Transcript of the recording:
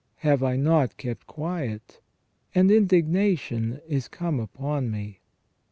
Have I not kept quiet? And indignation is come upon me."